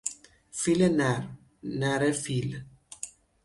فیل نر، نره فیل